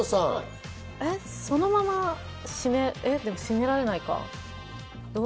そのまま閉められないか？